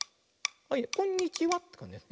はいこんにちは。